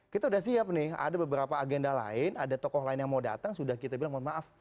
kita sudah siap nih ada beberapa agenda lain ada tokoh lain yang mau datang sudah kita bilang mohon maaf